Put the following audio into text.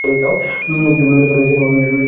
তিনিও বিভিন্ন ধরনের সিনেমা প্রযোজনা করেছেন।